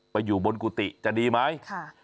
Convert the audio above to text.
ไปอยู่บนกุฏิจะดีไหม